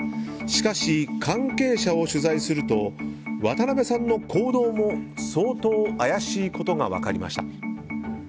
しかし、関係者を取材すると渡邊さんの行動も相当怪しいことが分かりました。